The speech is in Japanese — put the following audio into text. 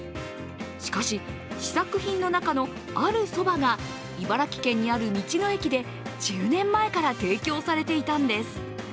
しかし、試作品の中のあるそばが、茨城県にある道の駅で１０年前から提供されていたんです。